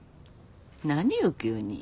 何よ急に。